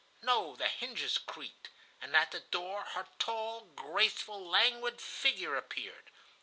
No, the hinges creaked, and at the door her tall, graceful, languid figure appeared.